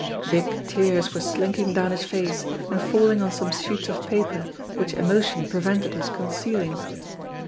Big tears were slinking down his face, and falling on some sheets of paper, which emotion prevented his concealing.